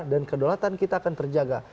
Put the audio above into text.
dan kedolatan kita akan terjaga